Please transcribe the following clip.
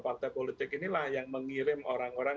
partai politik inilah yang mengirim orang orang